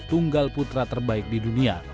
tunggal putra terbaik di dunia